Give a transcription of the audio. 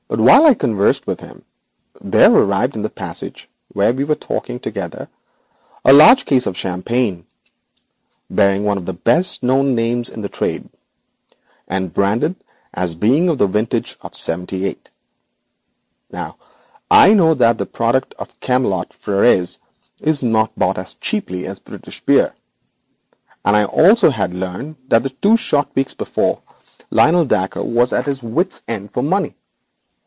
While I conversed with him, there arrived in the passage where we were talking together a huge case of champagne, bearing one of the best known names in the trade, and branded as being of the vintage of '78. Now I knew that the product of Camelot Frères is not bought as cheaply as British beer, and I also had learned that two short weeks before Mr. Lionel Dacre was at his wits' end for money.